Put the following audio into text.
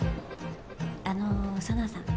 あの紗菜さん